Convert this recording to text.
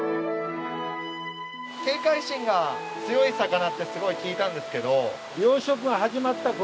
警戒心が強い魚ってすごい聞いたんですけど。